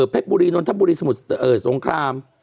เพศบุรีนทบุรีสมุดสงคราม๑๘